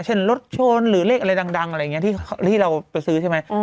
เช่นรถชนหรือเลขอะไรดังอะไรอย่างนี้ที่เราไปซื้อใช่ไหม